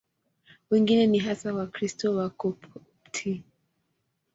Wengine ni hasa Wakristo Wakopti.